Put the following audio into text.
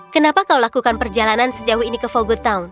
kenapa kau lakukan perjalanan sejauh ini ke fogotown